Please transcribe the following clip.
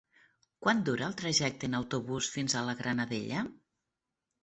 Quant dura el trajecte en autobús fins a la Granadella?